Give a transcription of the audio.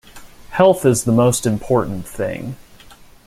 Health is the most important thing.